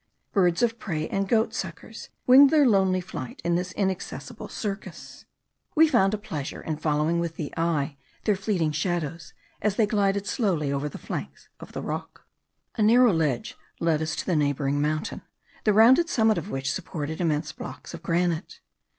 Birds of prey and goatsuckers winged their lonely flight in this inaccessible circus. We found a pleasure in following with the eye their fleeting shadows, as they glided slowly over the flanks of the rock. A narrow ridge led us to a neighbouring mountain, the rounded summit of which supported immense blocks of granite.